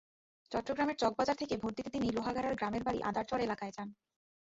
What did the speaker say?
চট্টগ্রামের চকবাজার থেকে ভোট দিতে তিনি লোহগাড়ার গ্রামের বাড়ি আদারচর এলাকায় যান।